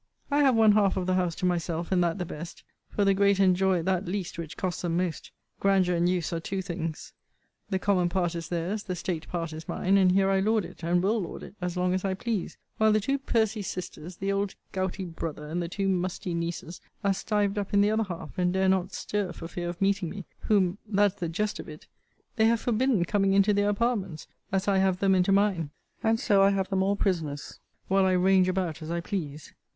I have one half of the house to myself; and that the best; for the great enjoy that least which costs them most: grandeur and use are two things: the common part is their's; the state part is mine: and here I lord it, and will lord it, as long as I please; while the two pursy sisters, the old gouty brother, and the two musty nieces, are stived up in the other half, and dare not stir for fear of meeting me: whom, (that's the jest of it,) they have forbidden coming into their apartments, as I have them into mine. And so I have them all prisoners, while I range about as I please.